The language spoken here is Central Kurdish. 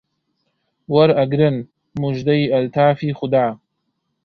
وەرئەگرن موژدەی ئەلتافی خودا